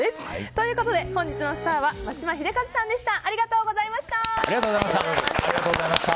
ということで、本日のスターは眞島秀和さんでした。